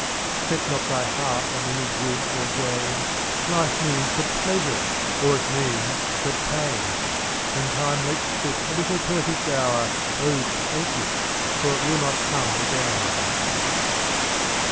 Set not thy heart on any good or gain. Life means but pleasure, or it means but pain; <f/. When Time lets slip a little perfect hour, O take it — for it will not come again.